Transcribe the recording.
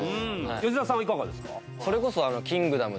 吉沢さんはいかがですか？